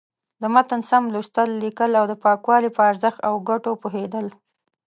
د متن سم لوستل، ليکل او د پاکوالي په ارزښت او گټو پوهېدل.